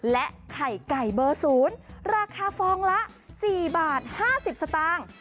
และไข่ไก่เบอร์๐ราคาฟองละ๔บาท๕๐สตางค์